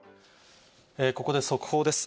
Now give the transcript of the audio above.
ここで速報です。